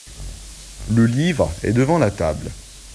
Le livre est devant la table.